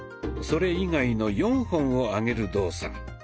それ以外の４本を上げる動作。